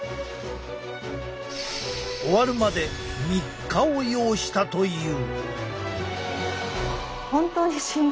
終わるまで３日を要したという。